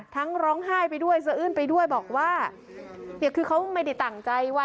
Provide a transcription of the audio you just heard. ร้องไห้ไปด้วยสะอื้นไปด้วยบอกว่าเนี่ยคือเขาไม่ได้ตั้งใจว่า